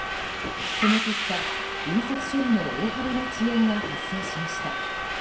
その結果、印刷処理の大幅な遅延が発生しました。